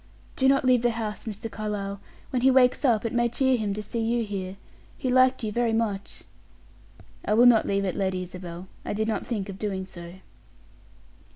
"Do not leave the house, Mr. Carlyle. When he wakes up, it may cheer him to see you here; he liked you very much." "I will not leave it, Lady Isabel. I did not think of doing so."